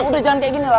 udah jalan kayak ginilah